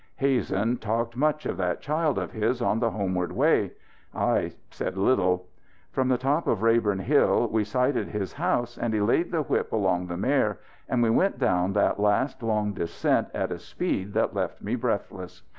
Hazen talked much of that child of his on the homeward way. I said little. From the top of the Rayborn Hill we sighted his house and he laid the whip along the mare and we went down that last long descent at a speed that left me breathless.